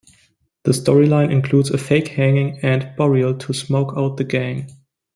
The story line includes a fake hanging and burial to smoke out the gang.